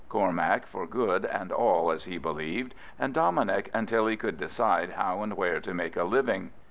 Cormac for good and all as he believed, and Dominic until he could decide how and where to make a living.